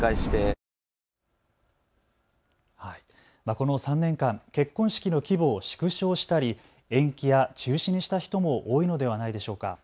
この３年間、結婚式の規模を縮小したり延期や中止にした人も多いのではないでしょうか。